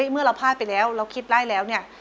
เมื่อเราพลาดไปแล้วเราคิดได้แล้วเนี่ย